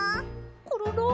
コロロ？